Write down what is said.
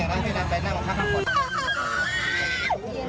สวัสดีครับ